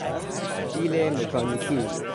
بیل مکانیکی